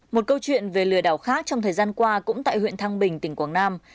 một câu chuyện về lừa đảo khác trong thời gian qua cũng tại huyện thăng bình tỉnh quảng nam